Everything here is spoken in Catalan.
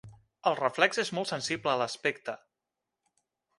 El reflex és molt sensible a l'aspecte.